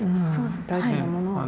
大事なものをね。